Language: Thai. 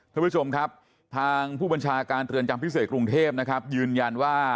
ท่านผู้ชมครับทางผู้บัญชาการเรือนจำพิเศษกรุงเทพนะครับยืนยันว่า